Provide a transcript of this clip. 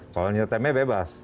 kalau nyetemnya bebas